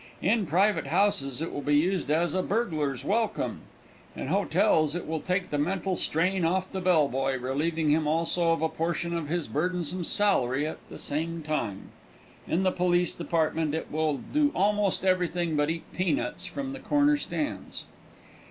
In private houses it will be used as a burglar's welcome. In hotels it will take the mental strain off the bell boy, relieving him also of a portion of his burdensome salary at the same time. In the police department it will do almost everything but eat peanuts from the corner stands.